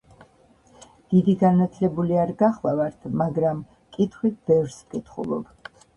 ““დიდი განათლებული არ გახლავართ, მაგრამ კითხვით ბევრს ვკითხულობ.””